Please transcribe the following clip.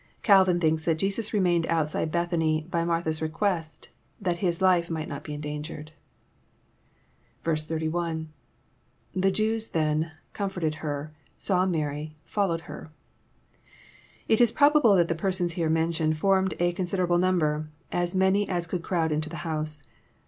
Calvin thinks that Jesns remained ontside Bethany by Mar* tha's request, that His life might not be endangered. Zl.^iThe Jews then. ^comforted her, „8aw Mary,.,followed her."] It is probable that the persons here mentioned formed a consider able number, — as many as could crowd into the house.